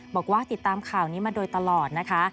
บอกว่าติดตามข่าวนี้มาโดยตลอดนะคะ